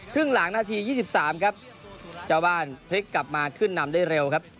ครึ่งหลังนาที๒๓ครับเจ้าบ้านพลิกกลับมาขึ้นนำได้เร็วครับ